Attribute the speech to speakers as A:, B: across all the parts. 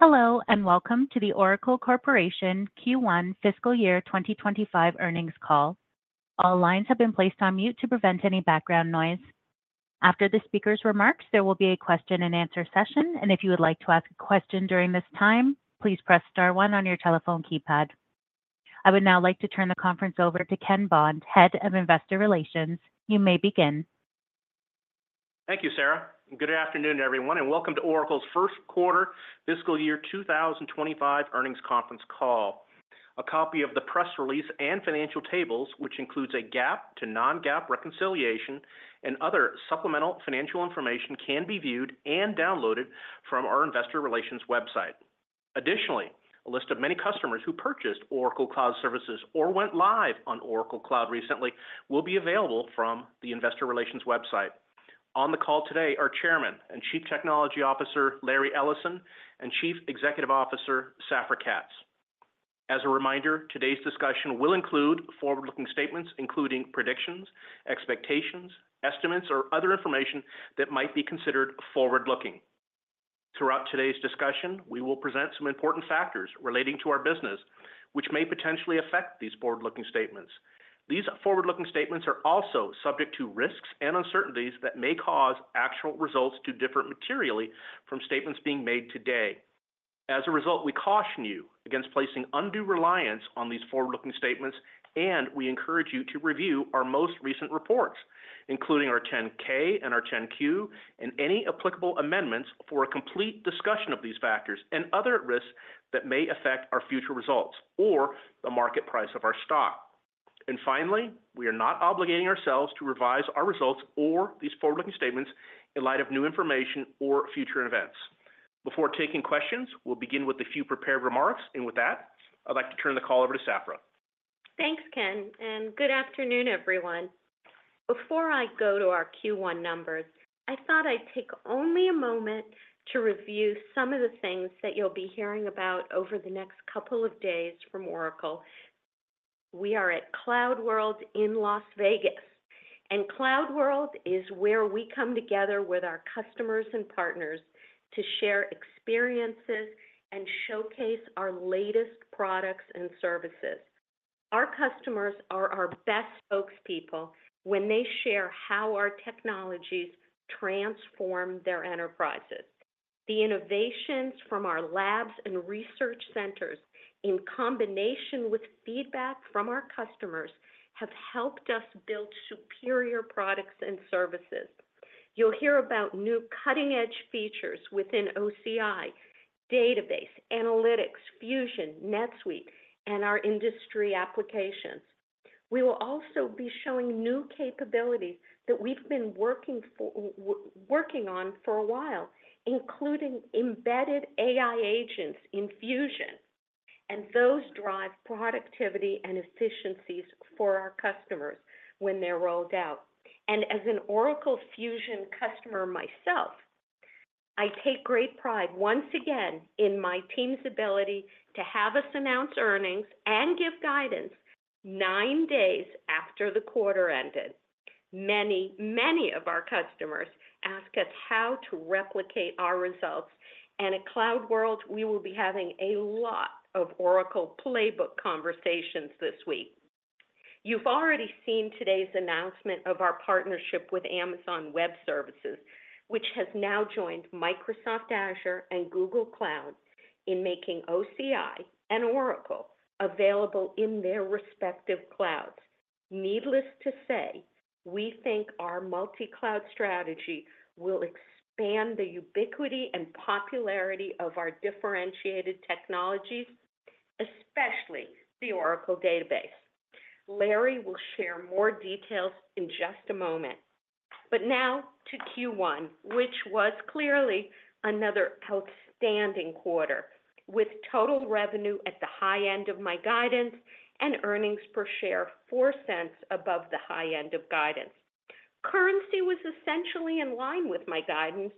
A: Hello, and welcome to the Oracle Corporation Q1 Fiscal Year 2025 Earnings Call. All lines have been placed on mute to prevent any background noise. After the speaker's remarks, there will be a question and answer session, and if you would like to ask a question during this time, please press star one on your telephone keypad. I would now like to turn the conference over to Ken Bond, Head of Investor Relations. You may begin.
B: Thank you, Sarah, and good afternoon, everyone, and welcome to Oracle's first quarter fiscal year 2025 earnings conference call. A copy of the press release and financial tables, which includes a GAAP to non-GAAP reconciliation and other supplemental financial information, can be viewed and downloaded from our investor relations website. Additionally, a list of many customers who purchased Oracle Cloud Services or went live on Oracle Cloud recently will be available from the investor relations website. On the call today are Chairman and Chief Technology Officer, Larry Ellison, and Chief Executive Officer, Safra Catz. As a reminder, today's discussion will include forward-looking statements, including predictions, expectations, estimates, or other information that might be considered forward-looking. Throughout today's discussion, we will present some important factors relating to our business, which may potentially affect these forward-looking statements. These forward-looking statements are also subject to risks and uncertainties that may cause actual results to differ materially from statements being made today. As a result, we caution you against placing undue reliance on these forward-looking statements, and we encourage you to review our most recent reports, including our 10-K and our 10-Q, and any applicable amendments for a complete discussion of these factors and other risks that may affect our future results or the market price of our stock. And finally, we are not obligating ourselves to revise our results or these forward-looking statements in light of new information or future events. Before taking questions, we'll begin with a few prepared remarks, and with that, I'd like to turn the call over to Safra.
C: Thanks, Ken, and good afternoon, everyone. Before I go to our Q1 numbers, I thought I'd take only a moment to review some of the things that you'll be hearing about over the next couple of days from Oracle. We are at CloudWorld in Las Vegas, and CloudWorld is where we come together with our customers and partners to share experiences and showcase our latest products and services. Our customers are our best spokespeople when they share how our technologies transform their enterprises. The innovations from our labs and research centers, in combination with feedback from our customers, have helped us build superior products and services. You'll hear about new cutting-edge features within OCI, Database, Analytics, Fusion, NetSuite, and our industry applications. We will also be showing new capabilities that we've been working on for a while, including embedded AI agents in Fusion, and those drive productivity and efficiencies for our customers when they're rolled out. And as an Oracle Fusion customer myself, I take great pride once again in my team's ability to have us announce earnings and give guidance nine days after the quarter ended. Many, many of our customers ask us how to replicate our results, and at CloudWorld, we will be having a lot of Oracle playbook conversations this week. You've already seen today's announcement of our partnership with Amazon Web Services, which has now joined Microsoft Azure and Google Cloud in making OCI and Oracle available in their respective clouds. Needless to say, we think our multi-cloud strategy will expand the ubiquity and popularity of our differentiated technologies, especially the Oracle Database. Larry will share more details in just a moment. But now to Q1, which was clearly another outstanding quarter, with total revenue at the high end of my guidance and earnings per share $0.04 above the high end of guidance. Currency was essentially in line with my guidance,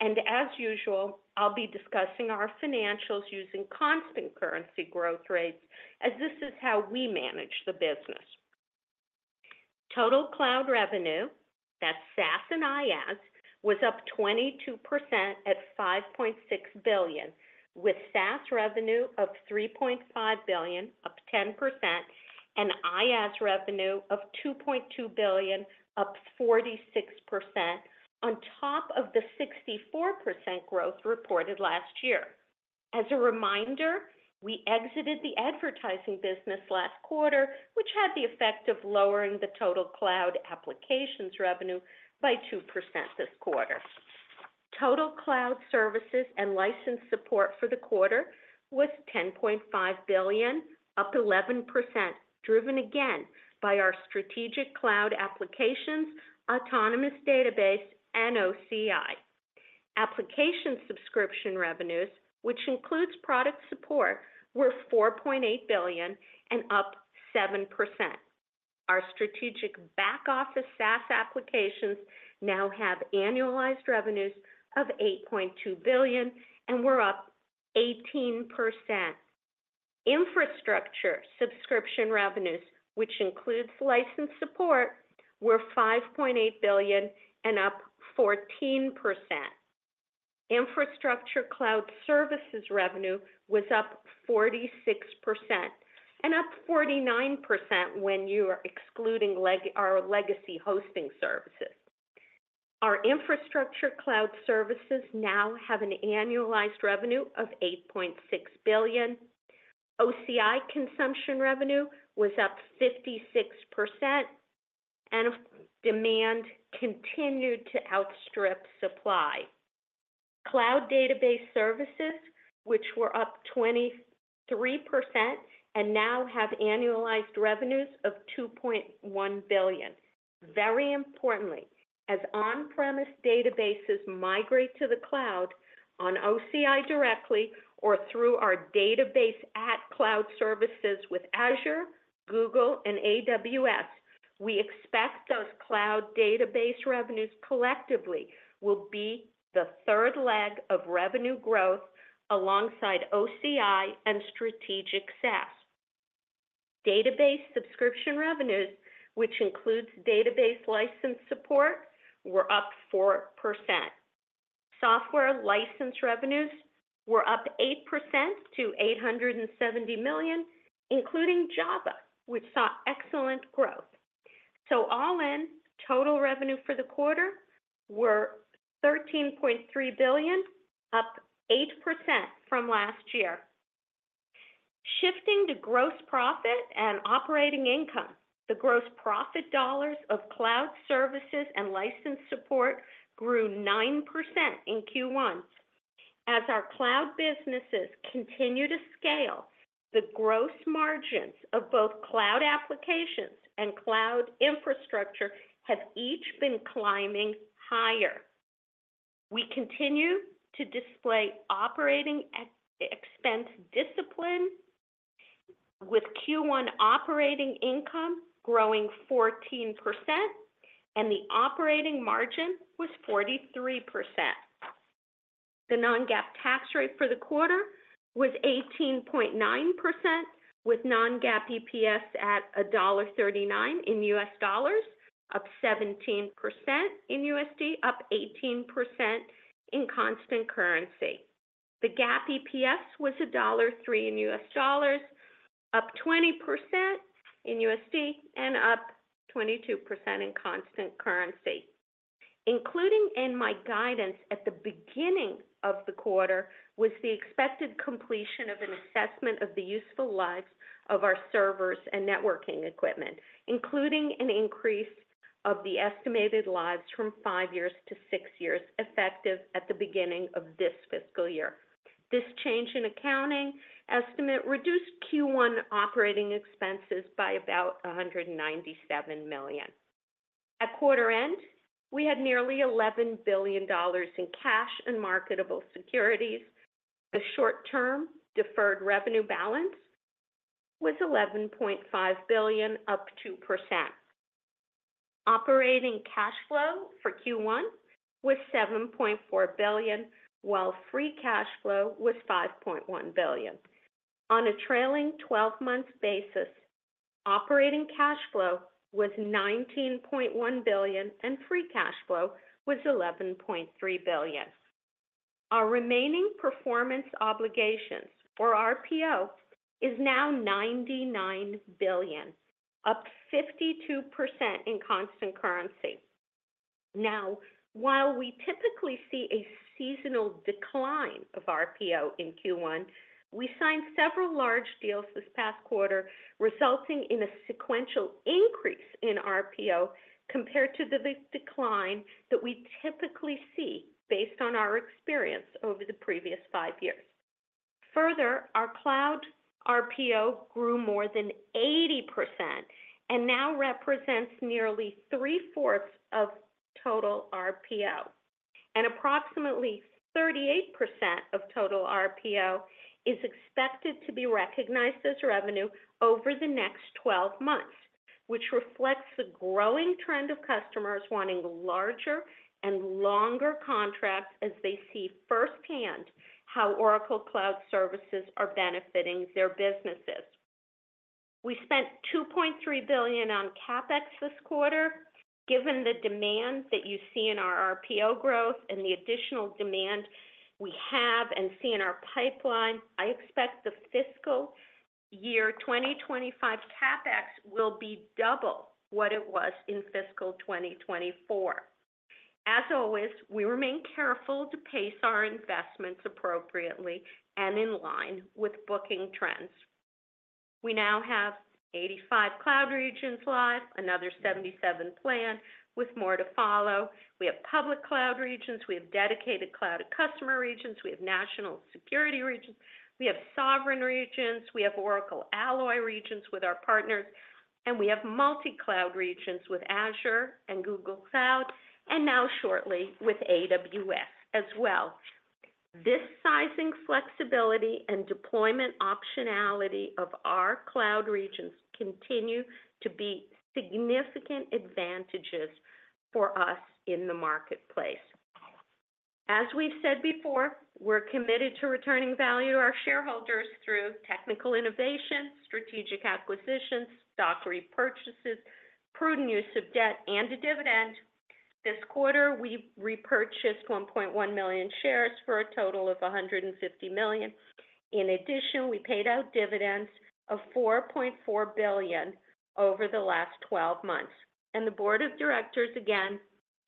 C: and as usual, I'll be discussing our financials using constant currency growth rates as this is how we manage the business. Total cloud revenue, that's SaaS and IaaS, was up 22% at $5.6 billion, with SaaS revenue of $3.5 billion, up 10%, and IaaS revenue of $2.2 billion, up 46%, on top of the 64% growth reported last year. As a reminder, we exited the advertising business last quarter, which had the effect of lowering the total cloud applications revenue by 2% this quarter. Total cloud services and license support for the quarter was $10.5 billion, up 11%, driven again by our strategic cloud applications, Autonomous Database, and OCI. Application subscription revenues, which includes product support, were $4.8 billion and up 7%. Our strategic back office SaaS applications now have annualized revenues of $8.2 billion, and we're up 18%. Infrastructure subscription revenues, which includes license support, were $5.8 billion and up 14%. Infrastructure cloud services revenue was up 46% and up 49% when you are excluding our legacy hosting services. Our infrastructure cloud services now have an annualized revenue of $8.6 billion. OCI consumption revenue was up 56%, and demand continued to outstrip supply. Cloud database services, which were up 23% and now have annualized revenues of $2.1 billion. Very importantly, as on-premise databases migrate to the cloud on OCI directly or through our Database@ cloud services with Azure, Google, and AWS, we expect those cloud database revenues collectively will be the third leg of revenue growth alongside OCI and strategic SaaS. Database subscription revenues, which includes database license support, were up 4%. Software license revenues were up 8% to $870 million, including Java, which saw excellent growth. So all in, total revenue for the quarter were $13.3 billion, up 8% from last year. Shifting to gross profit and operating income, the gross profit dollars of cloud services and license support grew 9% in Q1. As our cloud businesses continue to scale, the gross margins of both cloud applications and cloud infrastructure have each been climbing higher. We continue to display operating expense discipline with Q1 operating income growing 14%, and the operating margin was 43%. The non-GAAP tax rate for the quarter was 18.9%, with non-GAAP EPS at $1.39 in US dollars, up 17% in USD, up 18% in constant currency. The GAAP EPS was $1.03 in US dollars, up 20% in USD, and up 22% in constant currency. Including in my guidance at the beginning of the quarter, was the expected completion of an assessment of the useful lives of our servers and networking equipment, including an increase of the estimated lives from five years to six years, effective at the beginning of this fiscal year. This change in accounting estimate reduced Q1 operating expenses by about $197 million. At quarter end, we had nearly $11 billion in cash and marketable securities. The short-term deferred revenue balance was $11.5 billion, up 2%. Operating cash flow for Q1 was $7.4 billion, while free cash flow was $5.1 billion. On a trailing 12-month basis, operating cash flow was $19.1 billion, and free cash flow was $11.3 billion. Our remaining performance obligations, or RPO, is now $99 billion, up 52% in constant currency. Now, while we typically see a seasonal decline of RPO in Q1, we signed several large deals this past quarter, resulting in a sequential increase in RPO compared to the big decline that we typically see based on our experience over the previous five years. Further, our cloud RPO grew more than 80% and now represents nearly three-fourths of total RPO. Approximately 38% of total RPO is expected to be recognized as revenue over the next 12 months, which reflects the growing trend of customers wanting larger and longer contracts as they see firsthand how Oracle Cloud Services are benefiting their businesses. We spent $2.3 billion on CapEx this quarter. Given the demand that you see in our RPO growth and the additional demand we have and see in our pipeline, I expect the fiscal year 2025 CapEx will be double what it was in fiscal 2024. As always, we remain careful to pace our investments appropriately and in line with booking trends. We now have 85 cloud regions live, another 77 planned, with more to follow. We have public cloud regions, we have dedicated cloud customer regions, we have national security regions, we have sovereign regions, we have Oracle Alloy regions with our partners, and we have multi-cloud regions with Azure and Google Cloud, and now shortly with AWS as well. This sizing, flexibility, and deployment optionality of our cloud regions continue to be significant advantages for us in the marketplace. As we've said before, we're committed to returning value to our shareholders through technical innovation, strategic acquisitions, stock repurchases, prudent use of debt, and a dividend. This quarter, we repurchased 1.1 million shares for a total of $150 million. In addition, we paid out dividends of $4.4 billion over the last 12 months, and the board of directors again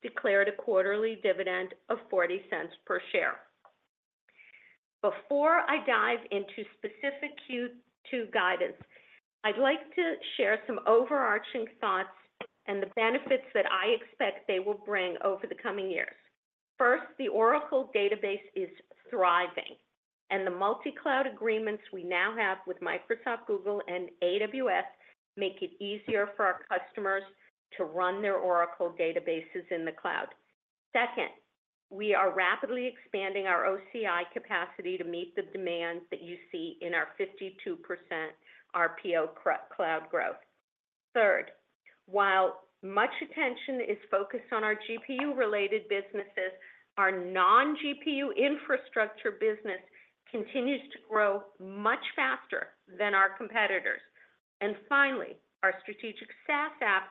C: declared a quarterly dividend of $0.40 per share. Before I dive into specific Q2 guidance, I'd like to share some overarching thoughts and the benefits that I expect they will bring over the coming years. First, the Oracle Database is thriving, and the multi-cloud agreements we now have with Microsoft, Google and AWS make it easier for our customers to run their Oracle Databases in the cloud. Second, we are rapidly expanding our OCI capacity to meet the demand that you see in our 52% RPO cloud growth. Third, while much attention is focused on our GPU-related businesses, our non-GPU infrastructure business continues to grow much faster than our competitors. And finally, our strategic SaaS apps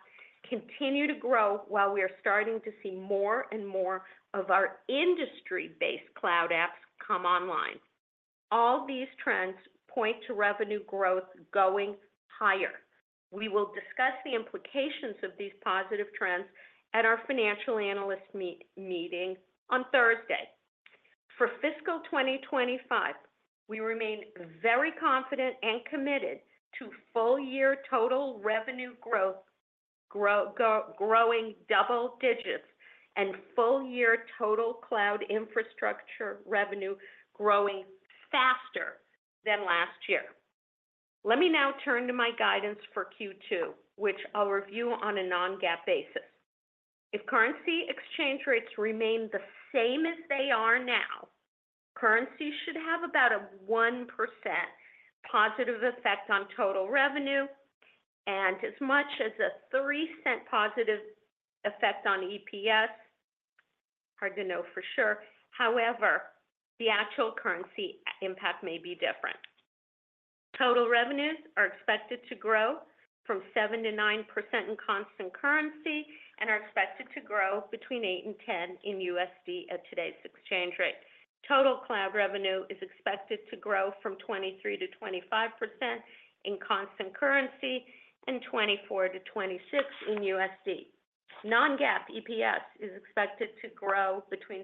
C: continue to grow while we are starting to see more and more of our industry-based cloud apps come online. All these trends point to revenue growth going higher. We will discuss the implications of these positive trends at our financial analyst meeting on Thursday. For fiscal 2025, we remain very confident and committed to full year total revenue growth growing double digits and full year total cloud infrastructure revenue growing faster than last year. Let me now turn to my guidance for Q2, which I'll review on a non-GAAP basis. If currency exchange rates remain the same as they are now, currency should have about a 1% positive effect on total revenue and as much as a $0.03 positive effect on EPS. Hard to know for sure. However, the actual currency impact may be different. Total revenues are expected to grow from 7% to 9% in constant currency and are expected to grow between 8% and 10% in USD at today's exchange rate. Total cloud revenue is expected to grow 23%-25% in constant currency, and 24%-26% in USD. Non-GAAP EPS is expected to grow 6%-10%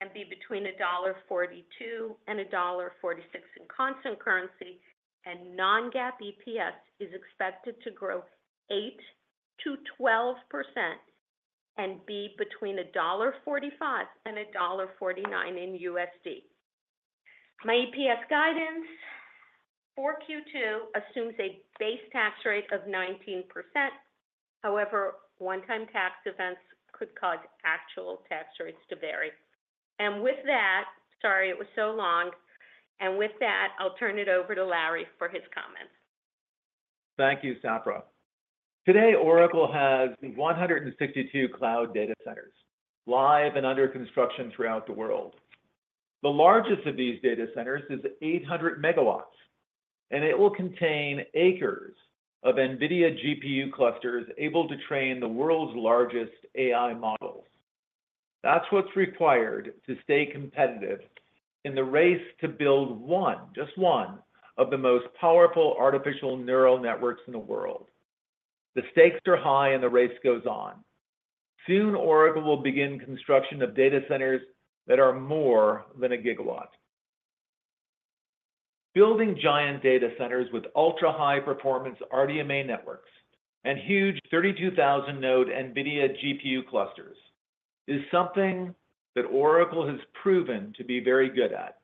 C: and be between $1.42-$1.46 in constant currency, and non-GAAP EPS is expected to grow 8%-12% and be between $1.45-$1.49 in USD. My EPS guidance for Q2 assumes a base tax rate of 19%. However, one-time tax events could cause actual tax rates to vary, and with that, sorry, it was so long, and with that, I'll turn it over to Larry for his comments.
D: Thank you, Safra. Today, Oracle has 162 cloud data centers, live and under construction throughout the world. The largest of these data centers is 800 megawatts, and it will contain acres of NVIDIA GPU clusters able to train the world's largest AI models. That's what's required to stay competitive in the race to build one, just one, of the most powerful artificial neural networks in the world. The stakes are high and the race goes on. Soon, Oracle will begin construction of data centers that are more than a gigawatt. Building giant data centers with ultra-high performance RDMA networks and huge 32,000-node NVIDIA GPU clusters is something that Oracle has proven to be very good at.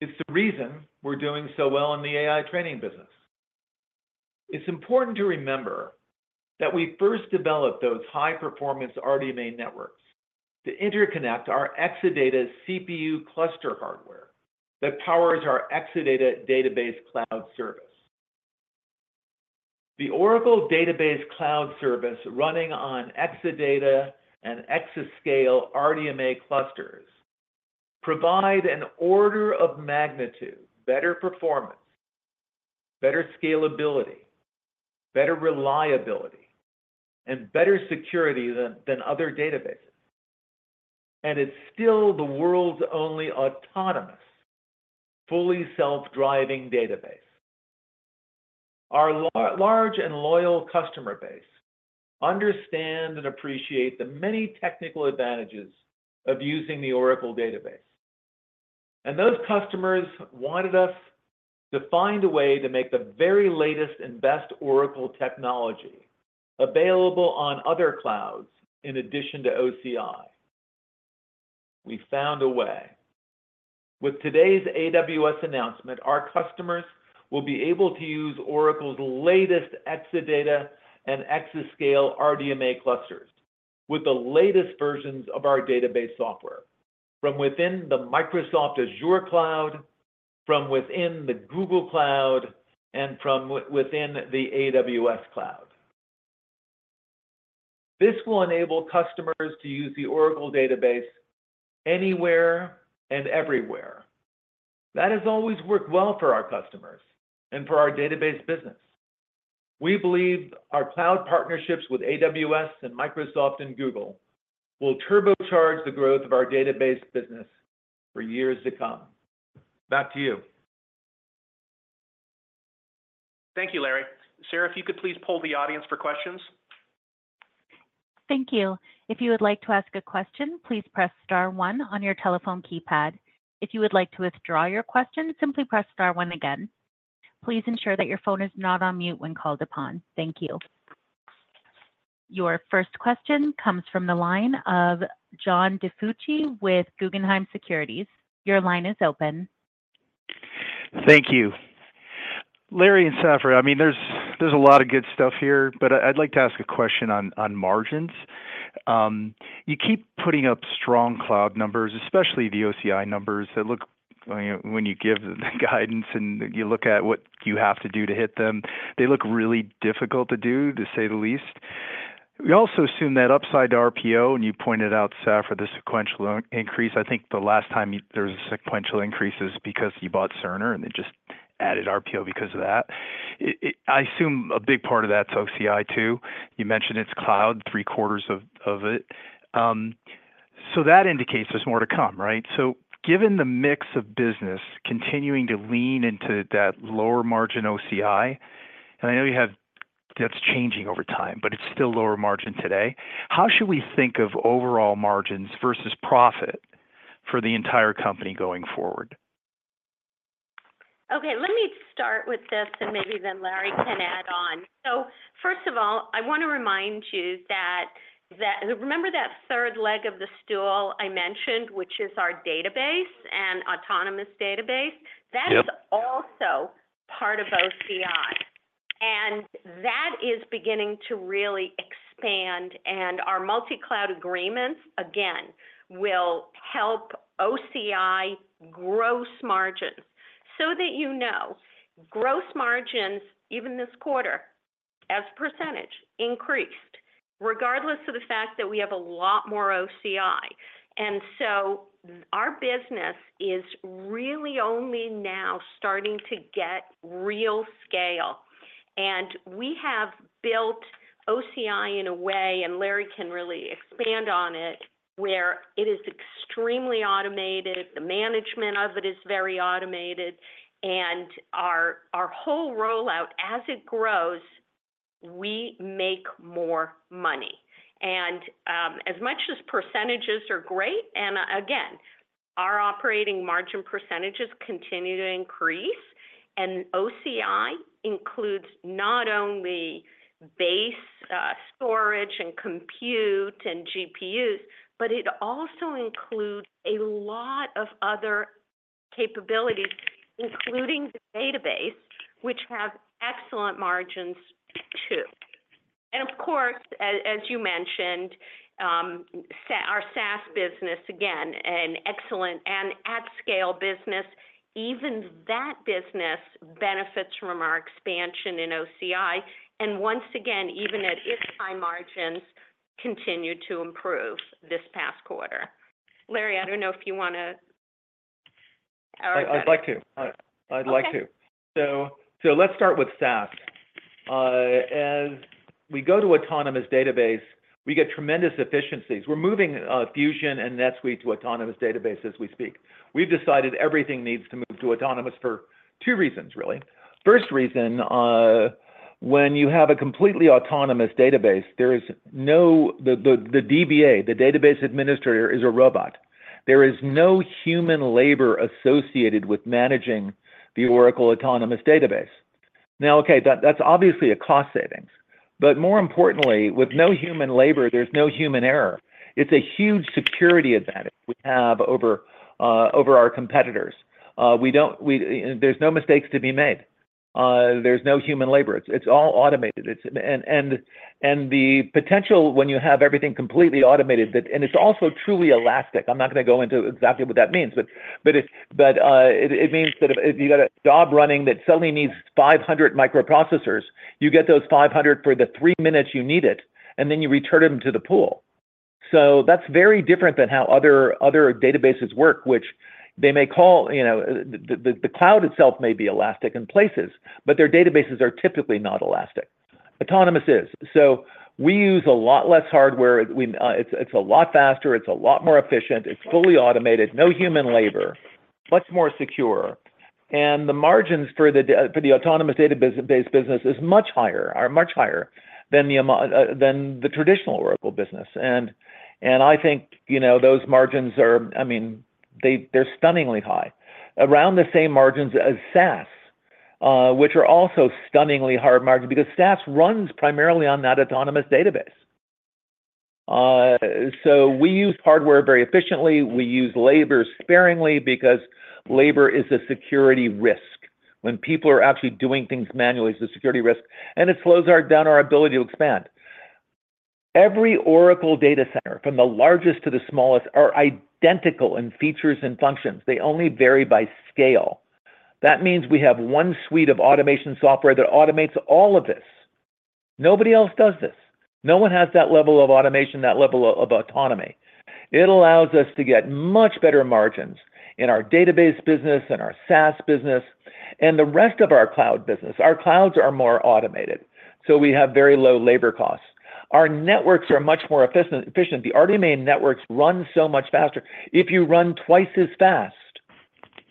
D: It's the reason we're doing so well in the AI training business. It's important to remember that we first developed those high-performance RDMA networks to interconnect our Exadata CPU cluster hardware that powers our Exadata Database Cloud Service. The Oracle Database Cloud Service, running on Exadata and Exascale RDMA clusters, provide an order of magnitude, better performance, better scalability, better reliability, and better security than other databases, and it's still the world's only autonomous, fully self-driving database. Our large and loyal customer base understand and appreciate the many technical advantages of using the Oracle Database. And those customers wanted us to find a way to make the very latest and best Oracle technology available on other clouds in addition to OCI. We found a way. With today's AWS announcement, our customers will be able to use Oracle's latest Exadata and Exascale RDMA clusters with the latest versions of our database software, from within the Microsoft Azure cloud, from within the Google Cloud, and from within the AWS cloud. This will enable customers to use the Oracle Database anywhere and everywhere. That has always worked well for our customers and for our database business. We believe our cloud partnerships with AWS and Microsoft and Google will turbocharge the growth of our database business for years to come. Back to you.
B: Thank you, Larry. Sarah, if you could please poll the audience for questions.
A: Thank you. If you would like to ask a question, please press star one on your telephone keypad. If you would like to withdraw your question, simply press star one again. Please ensure that your phone is not on mute when called upon. Thank you. Your first question comes from the line of John DiFucci with Guggenheim Securities. Your line is open.
E: Thank you. Larry and Safra, I mean, there's a lot of good stuff here, but I'd like to ask a question on, on margins. You keep putting up strong cloud numbers, especially the OCI numbers, that look, when you give the guidance and you look at what you have to do to hit them, they look really difficult to do, to say the least. We also assume that upside RPO, and you pointed out, Safra, the sequential increase. I think the last time there was a sequential increase is because you bought Cerner, and it just added RPO because of that. It, I assume a big part of that's OCI, too. You mentioned it's cloud, three-quarters of it. So that indicates there's more to come, right? So given the mix of business continuing to lean into that lower-margin OCI, and I know you have, that's changing over time, but it's still lower-margin today, how should we think of overall margins versus profit for the entire company going forward?
C: Okay, let me start with this, and maybe then Larry can add on. So first of all, I want to remind you that... Remember that third leg of the stool I mentioned, which is our Database and Autonomous Database?
E: Yep.
C: That is also part of OCI, and that is beginning to really expand, and our multi-cloud agreements, again, will help OCI gross margin. So that you know, gross margins, even this quarter, as a percentage, increased regardless of the fact that we have a lot more OCI. And so our business is really only now starting to get real scale, and we have built OCI in a way, and Larry can really expand on it, where it is extremely automated, the management of it is very automated, and our whole rollout, as it grows, we make more money. And as much as percentages are great, and again, our operating margin percentages continue to increase, and OCI includes not only base storage and compute and GPUs, but it also includes a lot of other capabilities, including the database, which have excellent margins, too. And of course, as you mentioned, our SaaS business, again, an excellent and at-scale business, even that business benefits from our expansion in OCI, and once again, even at its high margins, continue to improve this past quarter. Larry, I don't know if you wanna add to that.
D: I'd like to.
C: Okay.
D: So let's start with SaaS. As we go to Autonomous Database, we get tremendous efficiencies. We're moving Fusion and NetSuite to Autonomous Database as we speak. We've decided everything needs to move to Autonomous Database for two reasons, really. First reason, when you have a completely Autonomous Database, there is no DBA. The database administrator is a robot. There is no human labor associated with managing the Oracle Autonomous Database. Now, okay, that's obviously a cost savings, but more importantly, with no human labor, there's no human error. It's a huge security advantage we have over our competitors. There's no mistakes to be made. There's no human labor. It's all automated, and the potential when you have everything completely automated, that and it's also truly elastic. I'm not gonna go into exactly what that means, but it means that if you got a job running that suddenly needs 500 microprocessors, you get those 500 for the 3 minutes you need it, and then you return them to the pool. So that's very different than how other databases work, which they may call, you know, the cloud itself may be elastic in places, but their databases are typically not elastic. Autonomous is. So we use a lot less hardware. We, it's a lot faster, it's a lot more efficient, it's fully automated, no human labor, much more secure, and the margins for the Autonomous Database business are much higher than the traditional Oracle business. I think, you know, those margins are. I mean, they, they're stunningly high, around the same margins as SaaS, which are also stunningly high margins because SaaS runs primarily on that Autonomous Database. So we use hardware very efficiently. We use labor sparingly because labor is a security risk. When people are actually doing things manually, it's a security risk, and it slows down our ability to expand. Every Oracle data center, from the largest to the smallest, are identical in features and functions. They only vary by scale. That means we have one suite of automation software that automates all of this. Nobody else does this. No one has that level of automation, that level of autonomy. It allows us to get much better margins in our Database business and our SaaS business, and the rest of our cloud business. Our clouds are more automated, so we have very low labor costs. Our networks are much more efficient. The RDMA networks run so much faster. If you run twice as fast,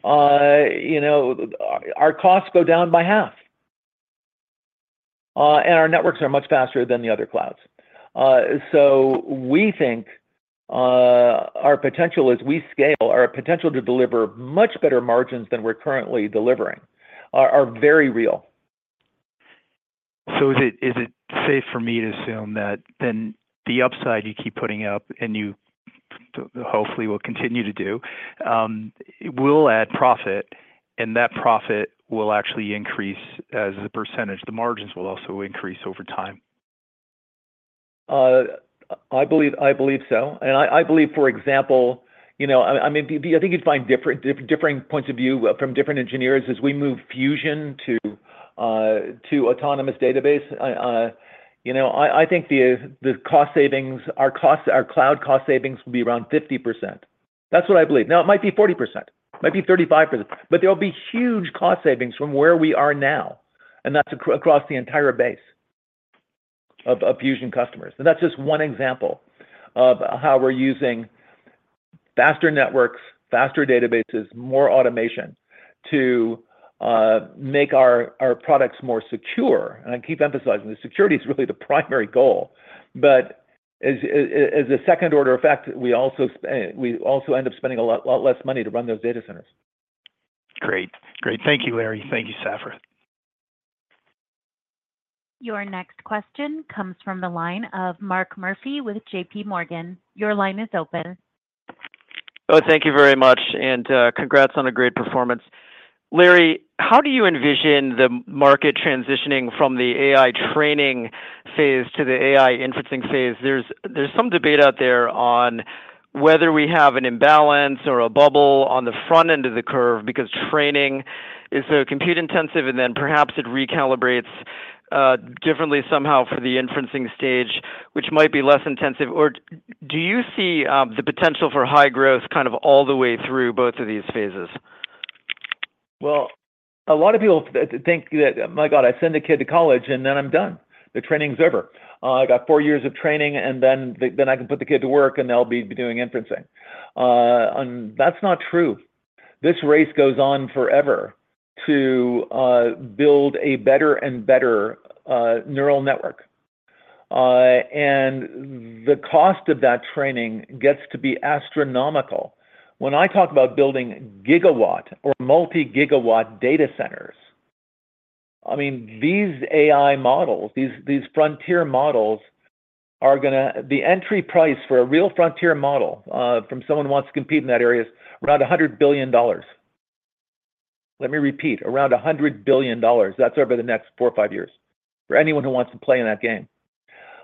D: you know, our costs go down by half, and our networks are much faster than the other clouds. So we think, our potential as we scale, our potential to deliver much better margins than we're currently delivering are very real.
E: Is it safe for me to assume that then the upside you keep putting up, and you hopefully will continue to do, will add profit, and that profit will actually increase as a percentage, the margins will also increase over time?
D: I believe, I believe so, and I believe, for example, you know, I mean, I think you'd find different, differing points of view from different engineers as we move Fusion to Autonomous Database. You know, I think the cost savings, our costs, our cloud cost savings will be around 50%. That's what I believe. Now, it might be 40%, might be 35%, but there will be huge cost savings from where we are now, and that's across the entire base of Fusion customers, and that's just one example of how we're using faster networks, faster databases, more automation to make our products more secure. I keep emphasizing, the security is really the primary goal, but as a second order of fact, we also end up spending a lot less money to run those data centers.
E: Great. Great. Thank you, Larry. Thank you, Safra.
A: Your next question comes from the line of Mark Murphy with JP Morgan. Your line is open.
F: Oh, thank you very much, and congrats on a great performance. Larry, how do you envision the market transitioning from the AI training phase to the AI inferencing phase? There's some debate out there on whether we have an imbalance or a bubble on the front end of the curve, because training is so compute intensive, and then perhaps it recalibrates differently somehow for the inferencing stage, which might be less intensive. Or do you see the potential for high growth kind of all the way through both of these phases?
D: A lot of people think that, "My God, I send a kid to college, and then I'm done. The training is over. I got four years of training, and then I can put the kid to work, and they'll be doing inferencing." And that's not true. This race goes on forever to build a better and better neural network. And the cost of that training gets to be astronomical. When I talk about building gigawatt or multi-gigawatt data centers, I mean, these frontier models are gonna. The entry price for a real frontier model from someone who wants to compete in that area is around $100 billion. Let me repeat, around $100 billion. That's over the next four or five years, for anyone who wants to play in that game.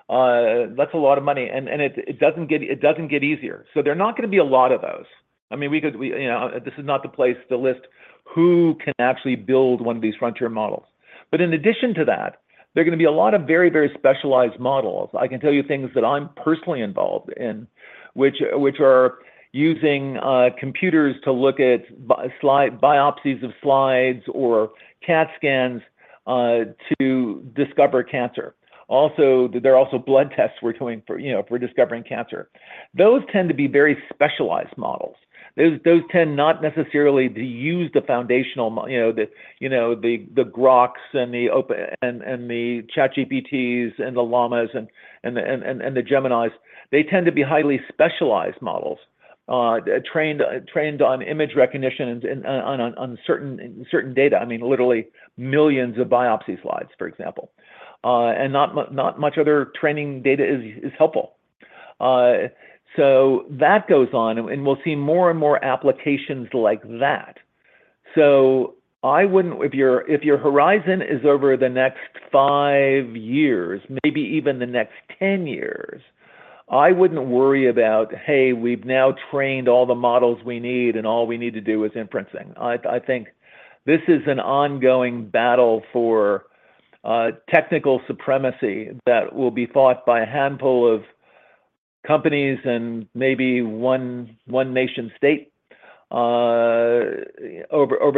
D: That's a lot of money, and it doesn't get easier. So there are not gonna be a lot of those. I mean, you know, this is not the place to list who can actually build one of these frontier models. But in addition to that, there are gonna be a lot of very, very specialized models. I can tell you things that I'm personally involved in, which are using computers to look at biopsies of slides or CAT scans to discover cancer. Also, there are blood tests we're doing for, you know, for discovering cancer. Those tend to be very specialized models. Those tend not necessarily to use the foundational models, you know, the Groks and the OpenAI, and the ChatGPTs and the Llamas and the Geminis. They tend to be highly specialized models trained on image recognition and on certain data. I mean, literally millions of biopsy slides, for example. Not much other training data is helpful. So that goes on, and we'll see more and more applications like that. If your horizon is over the next five years, maybe even the next 10 years, I wouldn't worry about, "Hey, we've now trained all the models we need, and all we need to do is inferencing." I think this is an ongoing battle for technical supremacy that will be fought by a handful of companies and maybe one nation-state over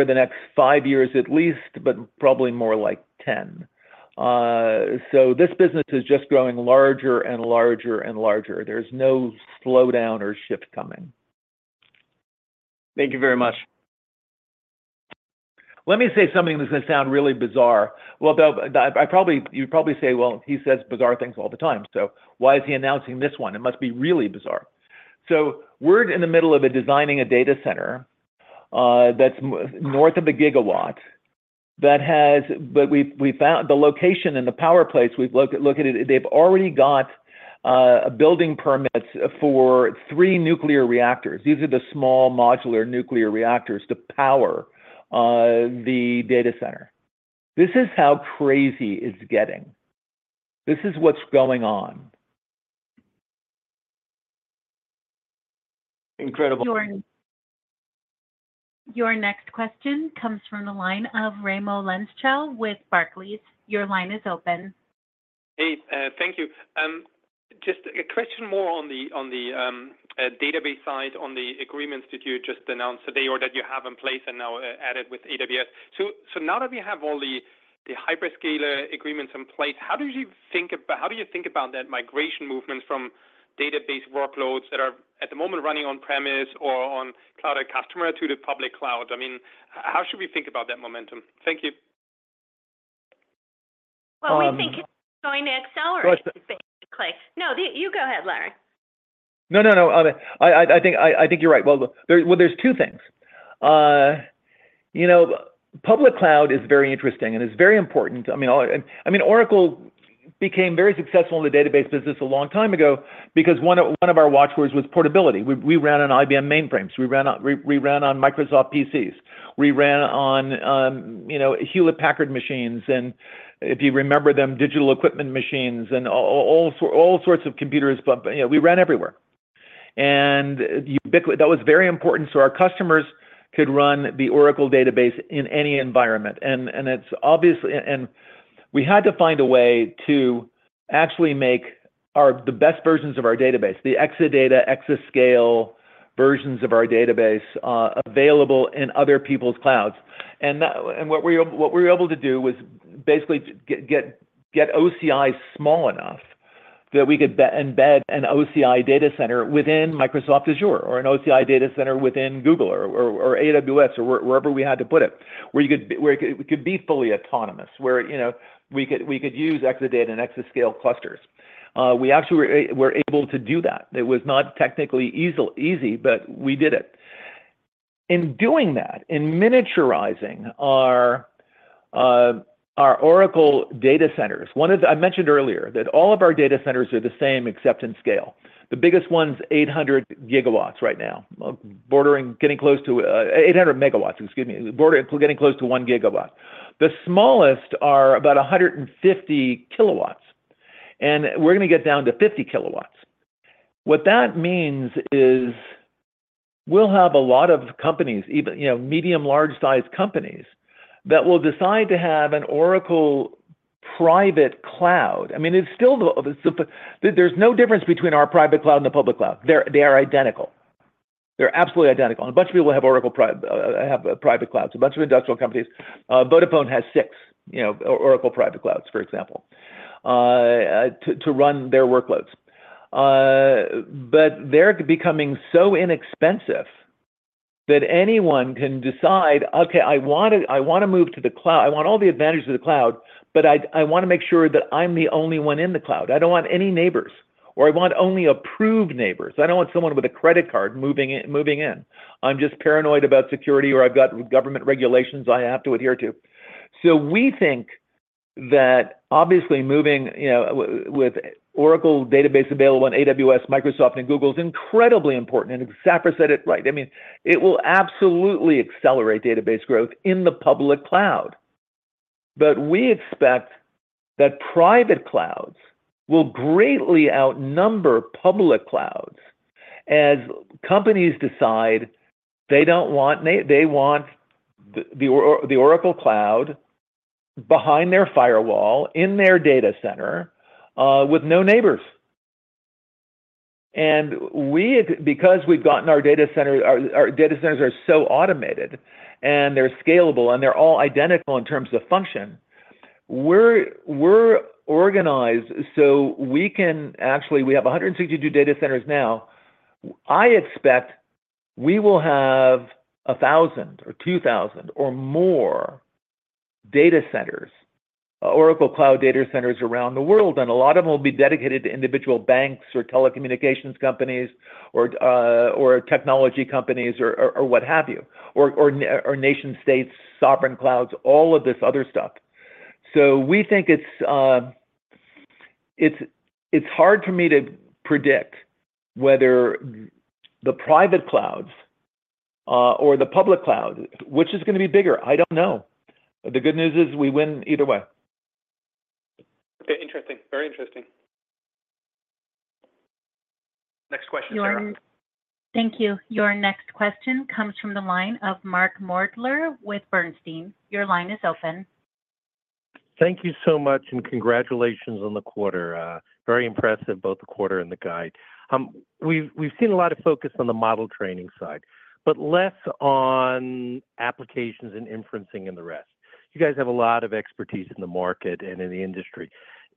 D: the next five years at least, but probably more like 10, so this business is just growing larger and larger and larger. There's no slowdown or shift coming.
F: Thank you very much.
D: Let me say something that's gonna sound really bizarre. You'd probably say, "Well, he says bizarre things all the time, so why is he announcing this one? It must be really bizarre." We're in the middle of designing a data center that's north of a gigawatt. But we've found the location and the power plant. We've looked at it. They've already got building permits for three nuclear reactors. These are the small modular nuclear reactors to power the data center. This is how crazy it's getting. This is what's going on.
F: Incredible.
A: Your next question comes from the line of Raimo Lenschow with Barclays. Your line is open.
G: Hey, thank you. Just a question more on the database side, on the agreements that you just announced today or that you have in place and now added with AWS. So now that we have all the hyperscaler agreements in place, how do you think about that migration movement from database workloads that are, at the moment, running on-premise or on cloud customer to the public cloud? I mean, how should we think about that momentum? Thank you.
C: We think it's going to accelerate, basically. No, you go ahead, Larry.
D: No, no, no. I think you're right. Well, there's two things. You know, public cloud is very interesting, and it's very important. I mean, Oracle became very successful in the database business a long time ago because one of our watch words was portability. We ran on IBM mainframes. We ran on Microsoft PCs. We ran on, you know, Hewlett-Packard machines, and if you remember them, digital equipment machines and all sorts of computers, but, you know, we ran everywhere. Ubiquitous. That was very important, so our customers could run the Oracle Database in any environment, and it's obviously and we had to find a way to actually make our, the best versions of our database, the Exadata, Exascale versions of our database, available in other people's clouds. And that, and what we were able to do was basically get OCI small enough that we could embed an OCI data center within Microsoft Azure or an OCI data center within Google or AWS or wherever we had to put it, where it could be fully autonomous, where, you know, we could use Exadata and Exascale clusters. We actually were able to do that. It was not technically easy, but we did it. In doing that, in miniaturizing our Oracle data centers, one is, I mentioned earlier that all of our data centers are the same, except in scale. The biggest one's 800 GW right now, bordering, getting close to 800 MW, excuse me, bordering, getting close to one gigawatt. The smallest are about a 150 kW, and we're gonna get down to 50 kW. What that means is we'll have a lot of companies, even, you know, medium, large-sized companies, that will decide to have an Oracle private cloud. I mean, it's still the, the, there's no difference between our private cloud and the public cloud. They're, they are identical. They're absolutely identical, and a bunch of people have Oracle private clouds, a bunch of industrial companies. Vodafone has six, you know, Oracle private clouds, for example, to run their workloads. But they're becoming so inexpensive that anyone can decide, "Okay, I wanna move to the cloud. I want all the advantages of the cloud, but I wanna make sure that I'm the only one in the cloud. I don't want any neighbors, or I want only approved neighbors. I don't want someone with a credit card moving in. I'm just paranoid about security, or I've got government regulations I have to adhere to." So we think that obviously moving, you know, with Oracle Database available on AWS, Microsoft, and Google is incredibly important, and Safra said it right. I mean, it will absolutely accelerate database growth in the public cloud. But we expect that private clouds will greatly outnumber public clouds as companies decide they don't want. They want the Oracle Cloud behind their firewall, in their data center, with no neighbors. And we, because we've gotten our data centers are so automated, and they're scalable, and they're all identical in terms of function, we're organized so we can actually, we have 162 data centers now. I expect we will have 1,000 or 2,000 or more data centers, Oracle Cloud data centers around the world, and a lot of them will be dedicated to individual banks or telecommunications companies or technology companies or what have you or nation-states, sovereign clouds, all of this other stuff. So we think it's hard for me to predict whether the private clouds or the public cloud which is gonna be bigger? I don't know. But the good news is we win either way.
G: Okay, interesting. Very interesting.
B: Next question, Sarah.
A: Thank you. Your next question comes from the line of Mark Moerdler with Bernstein. Your line is open.
H: Thank you so much, and congratulations on the quarter. Very impressive, both the quarter and the guide. We've seen a lot of focus on the model training side, but less on applications and inferencing and the rest. You guys have a lot of expertise in the market and in the industry.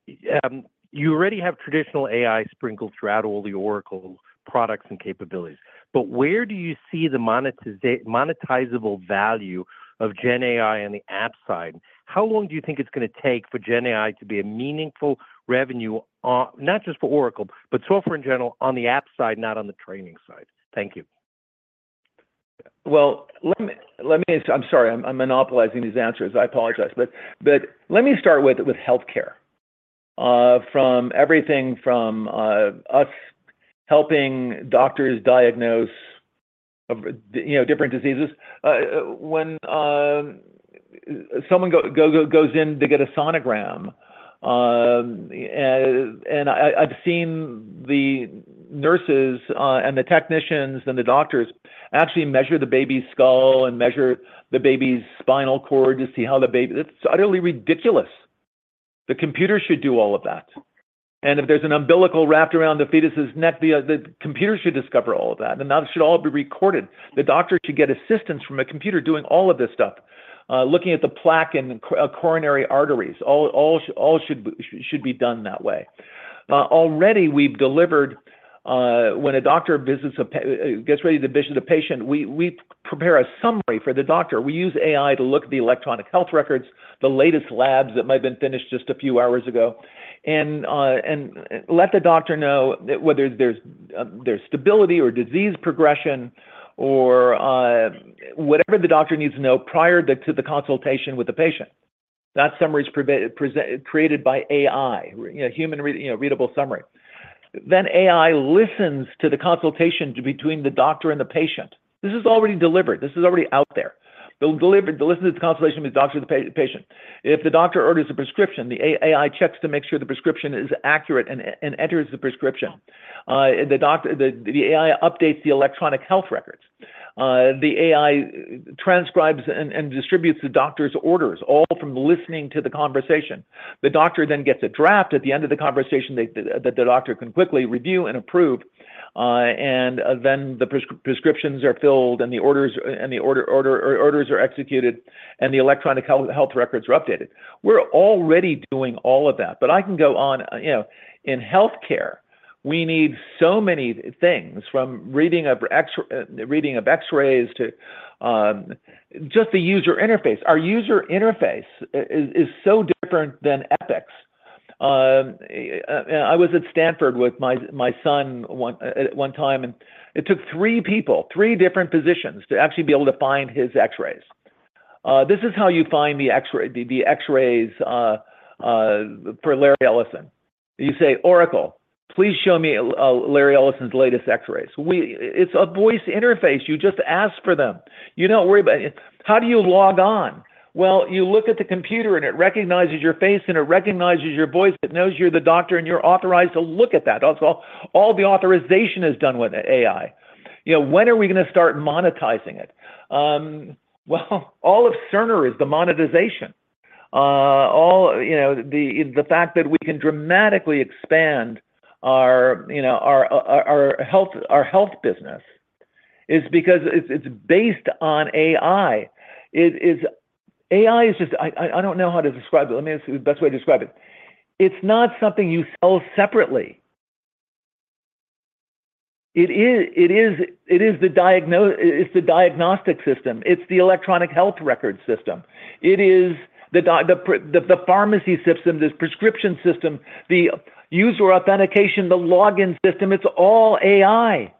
H: You already have traditional AI sprinkled throughout all the Oracle products and capabilities, but where do you see the monetizable value of GenAI on the app side? How long do you think it's gonna take for GenAI to be a meaningful revenue on, not just for Oracle, but software in general, on the app side, not on the training side? Thank you.
D: Let me. I'm sorry. I'm monopolizing these answers. I apologize. But let me start with healthcare, from everything from us helping doctors diagnose, you know, different diseases. When someone goes in to get a sonogram, and I've seen the nurses and the technicians and the doctors actually measure the baby's skull and measure the baby's spinal cord to see how the baby. It's utterly ridiculous. The computer should do all of that. And if there's an umbilical cord wrapped around the fetus's neck, the computer should discover all of that, and that should all be recorded. The doctor should get assistance from a computer doing all of this stuff. Looking at the plaque in coronary arteries, all should be done that way. Already we've delivered, when a doctor gets ready to visit a patient, we prepare a summary for the doctor. We use AI to look at the electronic health records, the latest labs that might have been finished just a few hours ago, and let the doctor know whether there's stability or disease progression, or whatever the doctor needs to know prior to the consultation with the patient. That summary is created by AI, you know, human readable summary. Then AI listens to the consultation between the doctor and the patient. This is already delivered. This is already out there. They'll deliver. They'll listen to the consultation between the doctor and the patient. If the doctor orders a prescription, the AI checks to make sure the prescription is accurate and enters the prescription. The AI updates the electronic health records. The AI transcribes and distributes the doctor's orders, all from listening to the conversation. The doctor then gets a draft at the end of the conversation, that the doctor can quickly review and approve, and then the prescriptions are filled, and the orders are executed, and the electronic health records are updated. We're already doing all of that, but I can go on. You know, in healthcare, we need so many things, from reading of X-ray, reading of X-rays to just the user interface. Our user interface is so different than Epic's. I was at Stanford with my son at one time, and it took three people, three different physicians, to actually be able to find his X-rays. This is how you find the X-rays for Larry Ellison. You say, "Oracle, please show me Larry Ellison's latest X-rays." It's a voice interface. You just ask for them. You don't worry about, how do you log on? Well, you look at the computer, and it recognizes your face, and it recognizes your voice. It knows you're the doctor, and you're authorized to look at that. Also, all the authorization is done with AI. You know, when are we gonna start monetizing it? Well, all of Cerner is the monetization. All you know, the fact that we can dramatically expand our health business is because it's based on AI. It is. AI is just. I don't know how to describe it. Let me see the best way to describe it. It's not something you sell separately. It is the diagnostic system. It's the electronic health record system. It is the pharmacy system, the prescription system, the user authentication, the login system. It's all AI.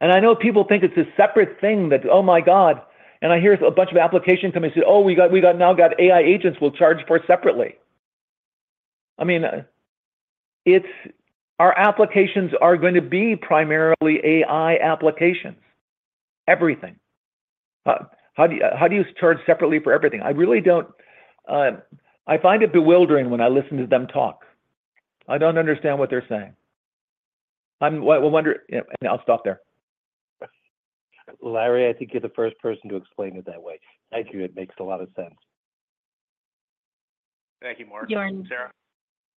D: And I know people think it's a separate thing that, oh, my God, and I hear a bunch of applications come and say, "Oh, we got AI agents we'll charge for separately." I mean, it's our applications are going to be primarily AI applications, everything. How do you charge separately for everything? I really don't. I find it bewildering when I listen to them talk. I don't understand what they're saying. I wonder... I'll stop there.
H: Larry, I think you're the first person to explain it that way. Thank you. It makes a lot of sense.
D: Thank you, Mark.
A: You're-
B: Sarah?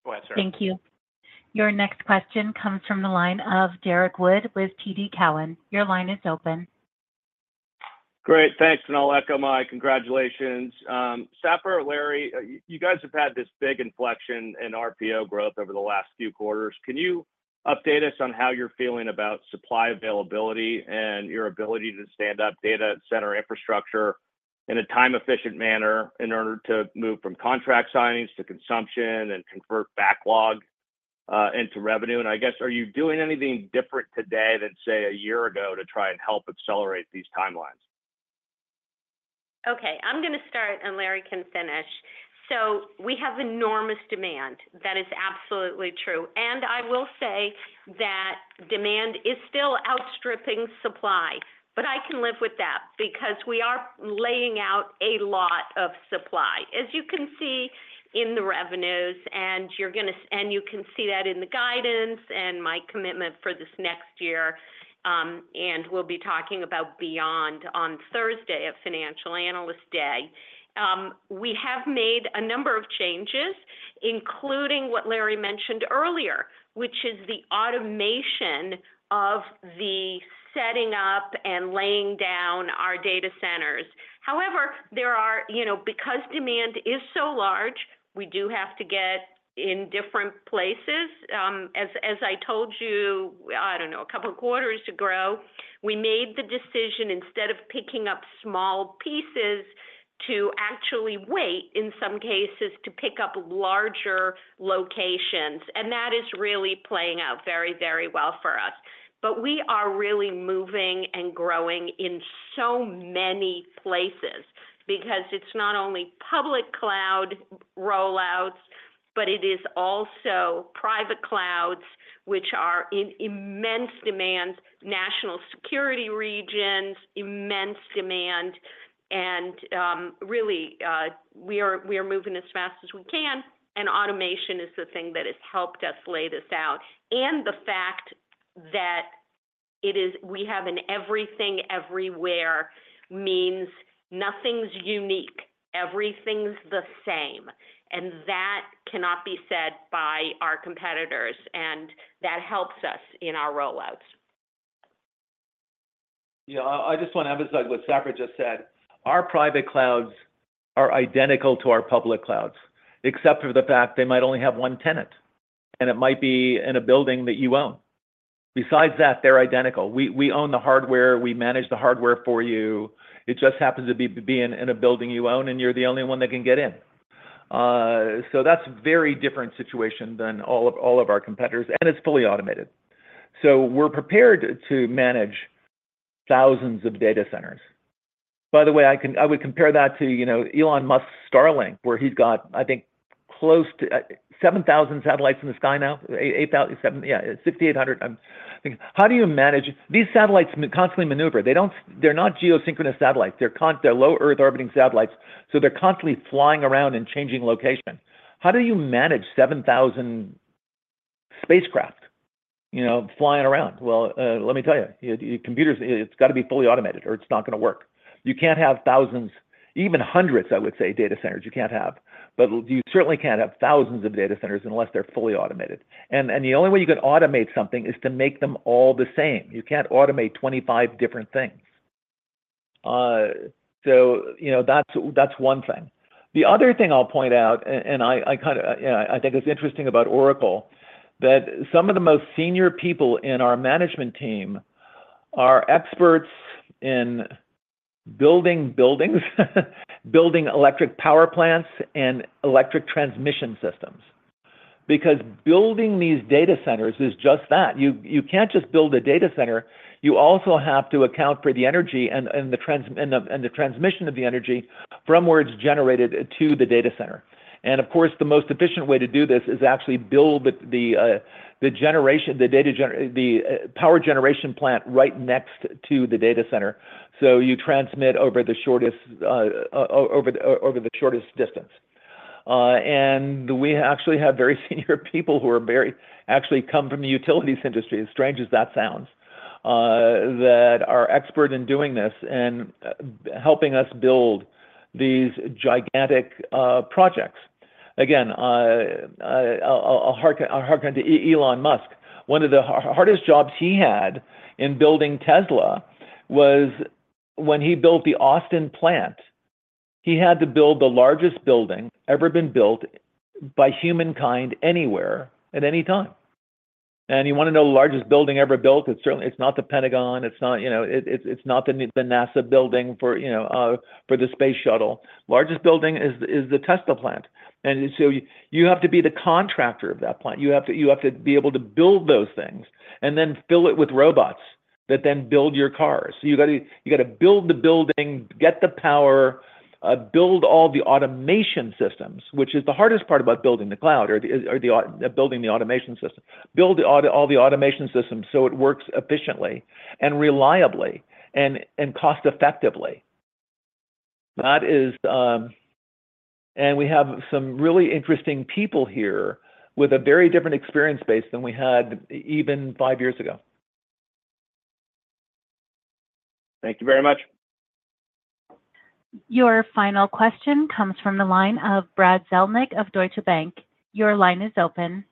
B: Go ahead, Sarah.
A: Thank you. Your next question comes from the line of Derek Wood with TD Cowen. Your line is open.
I: Great. Thanks, and I'll echo my congratulations. Safra, Larry, you guys have had this big inflection in RPO growth over the last few quarters. Can you update us on how you're feeling about supply availability and your ability to stand up data center infrastructure in a time-efficient manner in order to move from contract signings to consumption and convert backlog into revenue? and I guess, are you doing anything different today than, say, a year ago, to try and help accelerate these timelines?
C: Okay, I'm gonna start, and Larry can finish. So we have enormous demand. That is absolutely true. And I will say that demand is still outstripping supply, but I can live with that because we are laying out a lot of supply, as you can see in the revenues, and you can see that in the guidance and my commitment for this next year, and we'll be talking about beyond on Thursday at Financial Analyst Day. We have made a number of changes, including what Larry mentioned earlier, which is the automation of the setting up and laying down our data centers. However, there are, you know, because demand is so large, we do have to get in different places. As I told you, I don't know, a couple of quarters ago, we made the decision, instead of picking up small pieces, to actually wait in some cases to pick up larger locations, and that is really playing out very, very well for us.... but we are really moving and growing in so many places, because it's not only public cloud rollouts, but it is also private clouds, which are in immense demand, national security regions, immense demand. And really, we are moving as fast as we can, and automation is the thing that has helped us lay this out. And the fact that it is we have an everything, everywhere means nothing's unique, everything's the same, and that cannot be said by our competitors, and that helps us in our rollouts.
D: Yeah, I just wanna emphasize what Safra just said. Our private clouds are identical to our public clouds, except for the fact they might only have one tenant, and it might be in a building that you own. Besides that, they're identical. We own the hardware, we manage the hardware for you. It just happens to be in a building you own, and you're the only one that can get in. So that's a very different situation than all of our competitors, and it's fully automated. So we're prepared to manage thousands of data centers. By the way, I would compare that to, you know, Elon Musk's Starlink, where he's got, I think, close to 7000 satellites in the sky now, 8000, seven... Yeah, 6800, I think. How do you manage these satellites that constantly maneuver. They don't. They're not geosynchronous satellites. They're low Earth-orbiting satellites, so they're constantly flying around and changing location. How do you manage 7000 spacecraft, you know, flying around? Well, let me tell you, computers, it's got to be fully automated or it's not gonna work. You can't have thousands, even hundreds, I would say, data centers, but you certainly can't have thousands of data centers unless they're fully automated. And the only way you can automate something is to make them all the same. You can't automate 25 different things, so, you know, that's one thing. The other thing I'll point out, and I kind think it's interesting about Oracle, that some of the most senior people in our management team are experts in building buildings, building electric power plants, and electric transmission systems. Because building these data centers is just that. You can't just build a data center, you also have to account for the energy and the transmission of the energy from where it's generated to the data center. And of course, the most efficient way to do this is actually build the power generation plant right next to the data center, so you transmit over the shortest distance. And we actually have very senior people who actually come from the utilities industry, as strange as that sounds, that are expert in doing this and helping us build these gigantic projects. Again, I'll harken to Elon Musk. One of the hardest jobs he had in building Tesla was when he built the Austin plant. He had to build the largest building ever been built by humankind, anywhere, at any time. And you wanna know the largest building ever built? It's certainly not the Pentagon. It's not, you know. It's not the NASA building for the space shuttle. Largest building is the Tesla plant, and so you have to be the contractor of that plant. You have to be able to build those things and then fill it with robots that then build your cars. So you got a build the building, get the power, build all the automation systems, which is the hardest part about building the cloud or the automation system. Build all the automation systems so it works efficiently, and reliably, and cost-effectively. That is, and we have some really interesting people here with a very different experience base than we had even five years ago.
I: Thank you very much.
A: Your final question comes from the line of Brad Zelnick of Deutsche Bank. Your line is open.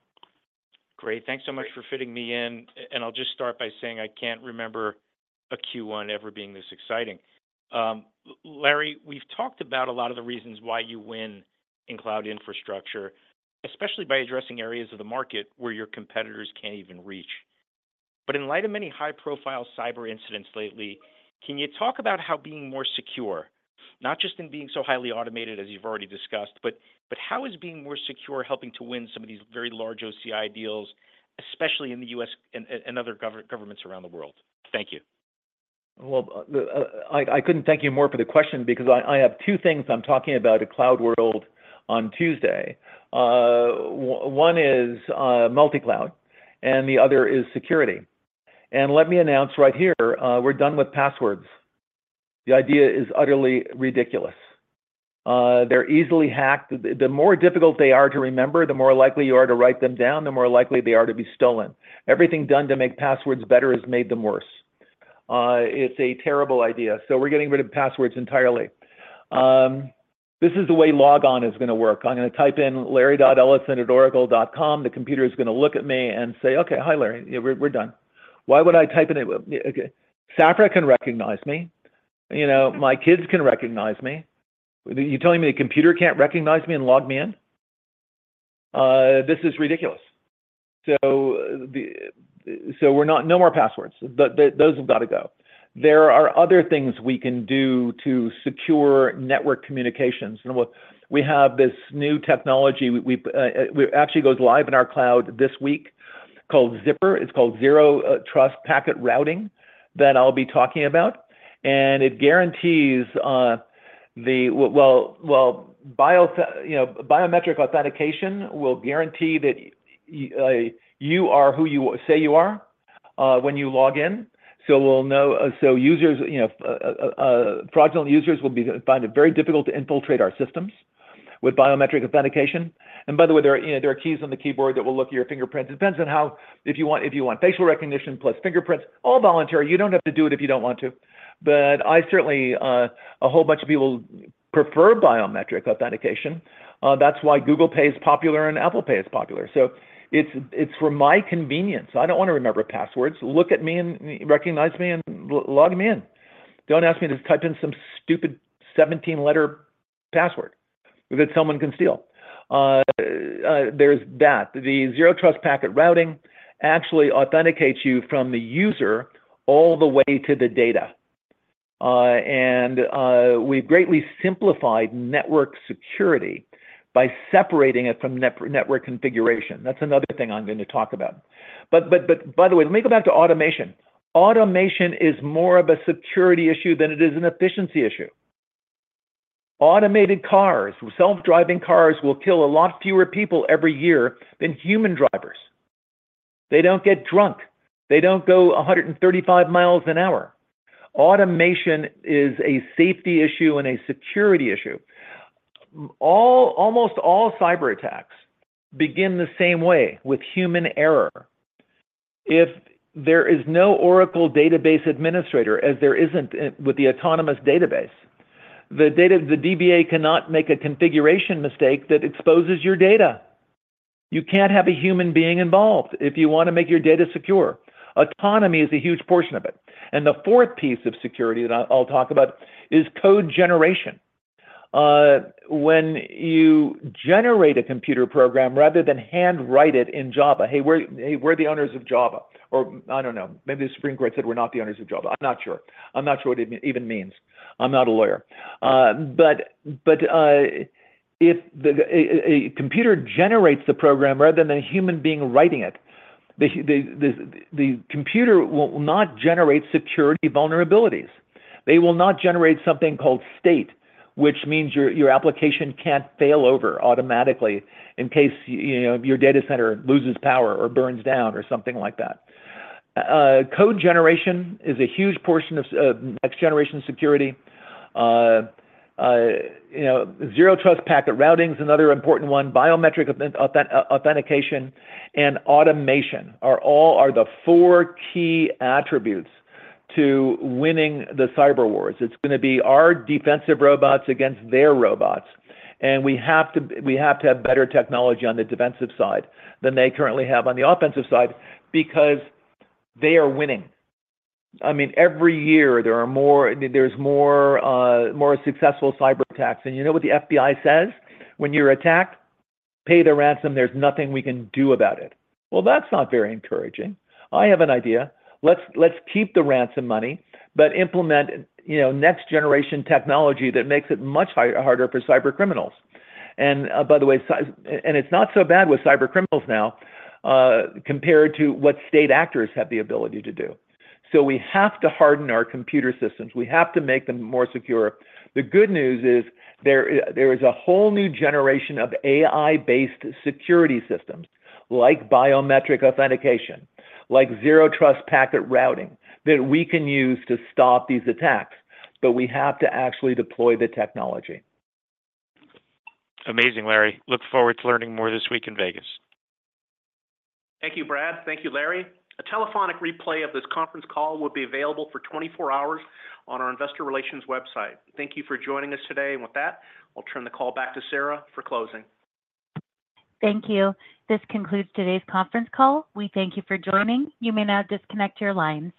J: Great. Thanks so much for fitting me in. And I'll just start by saying I can't remember a Q1 ever being this exciting. Larry, we've talked about a lot of the reasons why you win in cloud infrastructure, especially by addressing areas of the market where your competitors can't even reach. But in light of many high-profile cyber incidents lately, can you talk about how being more secure, not just in being so highly automated, as you've already discussed, but how is being more secure helping to win some of these very large OCI deals, especially in the U.S. and other governments around the world? Thank you.
D: Well, I couldn't thank you more for the question because I have two things I'm talking about at CloudWorld on Tuesday. One is multi-cloud, and the other is security. And let me announce right here, we're done with passwords. The idea is utterly ridiculous. They're easily hacked. The more difficult they are to remember, the more likely you are to write them down, the more likely they are to be stolen. Everything done to make passwords better has made them worse. It's a terrible idea, so we're getting rid of passwords entirely. This is the way logon is gonna work. I'm gonna type in larry.ellison@oracle.com. The computer is gonna look at me and say, "Okay, hi, Larry." We're done. Why would I type in a... Okay, Safra can recognize me, you know, my kids can recognize me. You're telling me a computer can't recognize me and log me in? This is ridiculous. We're not-- no more passwords. Those have got to go. There are other things we can do to secure network communications. We have this new technology. It actually goes live in our cloud this week, called ZPR. It's called Zero Trust Packet Routing that I'll be talking about. It guarantees biometric authentication will guarantee that you are who you say you are when you log in, so we'll know. Users, you know, fraudulent users will find it very difficult to infiltrate our systems with biometric authentication. By the way, you know, there are keys on the keyboard that will look at your fingerprints. It depends on how. If you want, if you want facial recognition plus fingerprints, all voluntary, you don't have to do it if you don't want to. But I certainly, a whole bunch of people prefer biometric authentication. That's why Google Pay is popular and Apple Pay is popular. So it's, it's for my convenience. I don't want to remember passwords. Look at me and recognize me and log me in. Don't ask me to type in some stupid seventeen-letter password that someone can steal. There's that. The Zero Trust Packet Routing actually authenticates you from the user all the way to the data. And, we've greatly simplified network security by separating it from network configuration. That's another thing I'm going to talk about. But by the way, let me go back to automation. Automation is more of a security issue than it is an efficiency issue. Automated cars, self-driving cars, will kill a lot fewer people every year than human drivers. They don't get drunk. They don't go a 135 miles an hour. Automation is a safety issue and a security issue. Almost all cyberattacks begin the same way: with human error. If there is no Oracle database administrator, as there isn't with the Autonomous Database, the data, the DBA cannot make a configuration mistake that exposes your data. You can't have a human being involved if you want to make your data secure. Autonomy is a huge portion of it. And the fourth piece of security that I'll talk about is code generation. When you generate a computer program rather than handwrite it in Java. Hey, we're the owners of Java, or I don't know, maybe the Supreme Court said we're not the owners of Java. I'm not sure. I'm not sure what it even means. I'm not a lawyer. But if a computer generates the program rather than a human being writing it, the computer will not generate security vulnerabilities. They will not generate something called state, which means your application can't fail over automatically in case, you know, your data center loses power or burns down or something like that. Code generation is a huge portion of next-generation security. You know, Zero Trust Packet Routing is another important one. Biometric authentication and automation are the four key attributes to winning the cyber wars. It's going to be our defensive robots against their robots, and we have to have better technology on the defensive side than they currently have on the offensive side, because they are winning. I mean, every year there are more successful cyberattacks, and you know what the FBI says? "When you're attacked, pay the ransom. There's nothing we can do about it." Well, that's not very encouraging. I have an idea. Let's keep the ransom money, but implement, you know, next-generation technology that makes it much harder for cybercriminals, and by the way, and it's not so bad with cybercriminals now, compared to what state actors have the ability to do, so we have to harden our computer systems. We have to make them more secure. The good news is there is a whole new generation of AI-based security systems, like biometric authentication, like Zero Trust Packet Routing, that we can use to stop these attacks, but we have to actually deploy the technology.
J: Amazing, Larry. Look forward to learning more this week in Vegas.
B: Thank you, Brad. Thank you, Larry. A telephonic replay of this conference call will be available for 24 hours on our investor relations website. Thank you for joining us today, and with that, I'll turn the call back to Sarah for closing.
A: Thank you. This concludes today's conference call. We thank you for joining. You may now disconnect your lines.